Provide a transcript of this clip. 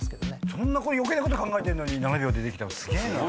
そんな余計なこと考えてんのに７秒で出てきたのすげえな。